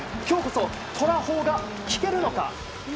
今日こそとらほーが聞けるのか？